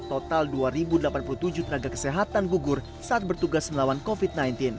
total dua delapan puluh tujuh tenaga kesehatan gugur saat bertugas melawan covid sembilan belas